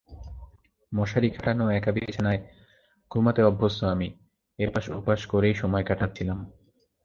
মশারি খাটানো একা বিছানায় ঘুমাতে অভ্যস্ত আমি এপাশ-ওপাশ করেই সময় কাটাচ্ছিলাম।